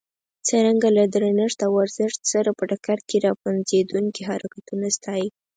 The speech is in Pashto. څرنګه له درنښت او ارزښت سره په ټکر کې را پنځېدونکي حرکتونه ستایي.